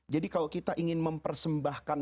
jadi kalau kita ingin mempersembahkan